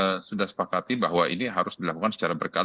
dan kami di komisi sudah sepakati bahwa ini harus dilakukan secara berkala